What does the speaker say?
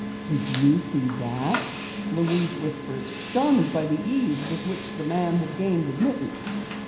"Did you see that?" Louise whispered, stunned by the ease with which the man had gained admittance.